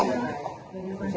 masih bunuh diri dia